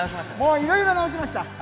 いろいろ直しました。